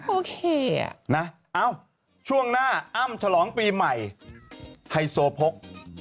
โอเคอ่ะนะเอ้าช่วงหน้าอ้ำฉลองปีใหม่ไฮโซพก